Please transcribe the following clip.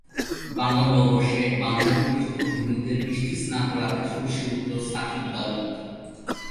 বাংলা নববর্ষে, বাংলার পরিচিত ভেন্যুতে বৃষ্টিস্নাত রাতে ঝলসে উঠল সাকিব বারুদ।